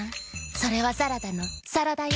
それはサラダのさらだよ」。